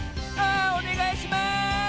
あおねがいします！